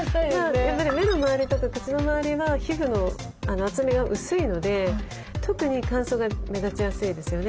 やっぱり目の周りとか口の周りは皮膚の厚みが薄いので特に乾燥が目立ちやすいですよね。